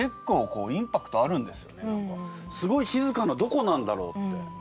すごい静かな「どこなんだろう？」って。